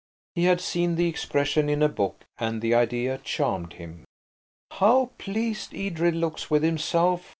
He had seen the expression in a book and the idea charmed him. "How pleased Edred looks with himself!"